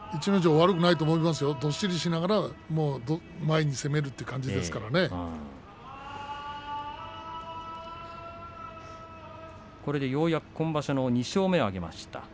悪くないと思いますよどっしりしながら前に攻めるとこれでようやく今場所２勝目を挙げました。